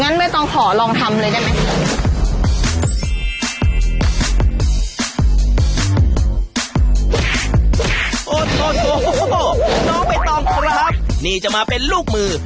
น้องผิดต้องครับนี่จะมาเป็นลูกมือ